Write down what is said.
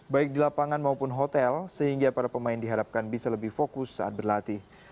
baik di lapangan maupun hotel sehingga para pemain diharapkan bisa lebih fokus saat berlatih